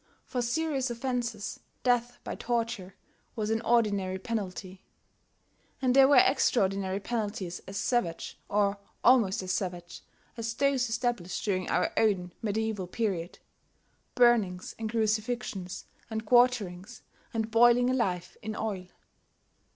For serious offences, death by torture was an ordinary penalty; and there were extraordinary penalties as savage, or almost as savage, as those established during our own medieval period, burnings and crucifixions and quarterings and boiling alive in oil.